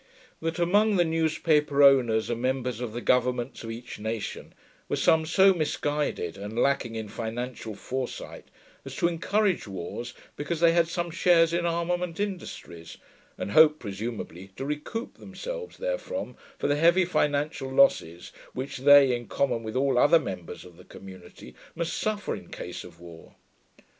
That among the newspaper owners and members of the governments of each nation were some so misguided and lacking in financial fore sight as to encourage wars because they had some shares in armament industries, and hoped, presumably, to recoup themselves therefrom for the heavy financial losses which they, in common with all other members of the community, must suffer in case of war.